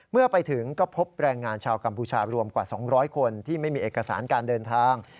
เมื่อไปถึงก็พบแรงงานชาวกัมพูชารวมกว่า๒๐๐คนที่ไม่มีเอกสารการเดินทาง